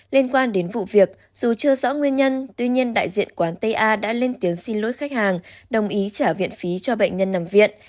liên quan đến vụ việc dù chưa rõ nguyên nhân tuy nhiên đại diện quán ta đã lên tiếng xin lỗi khách hàng đồng ý trả viện phí cho bệnh nhân nằm viện